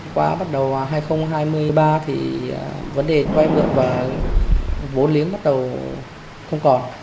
quá bắt đầu vào hai nghìn hai mươi ba thì vấn đề quay mượn và vốn liếng bắt đầu không còn